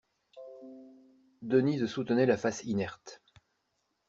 Denise soutenait la face inerte.